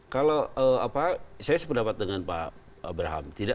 kalau saya sependapat dengan pak abraham